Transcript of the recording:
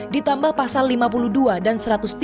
ditambah pasal lima puluh dua dan satu ratus tiga puluh